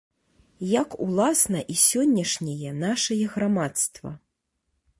Як, уласна, і сённяшняе нашае грамадства.